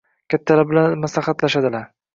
kattalar bilan maslahatlashadilar